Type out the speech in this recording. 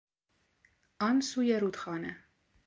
آن سوی رودخانه